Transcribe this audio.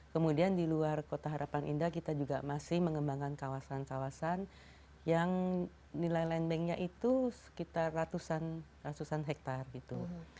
kemudian di luar kota harapan indah kita juga masih mengembangkan kawasan kawasan yang nilai land banknya itu sekitar ratusan hektare gitu